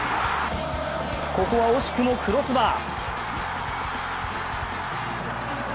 ここは惜しくもクロスバー。